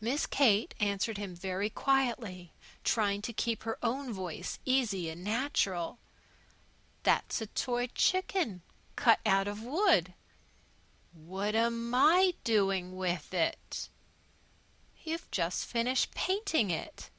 Miss Kate answered him very quietly, trying to keep her own voice easy and natural. "That's a toy chicken, cut out of wood." "What'm I doin' with it?" "You've just finished painting it."